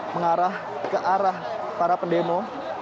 mengarah ke arah para pendemo